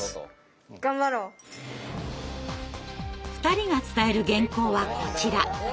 ２人が伝える原稿はこちら。